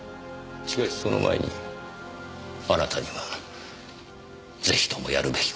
しかしその前にあなたにはぜひともやるべき事がある。